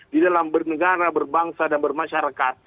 di dalam bernegara berbangsa dan bermasyarakat